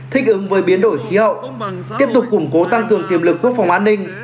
thích ứng với biến đổi khí hậu tiếp tục củng cố tăng cường tiềm lực quốc phòng an ninh